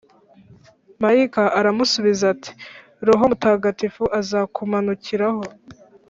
malayika aramusubiza ati :« rohomutagatifu azakumanukiraho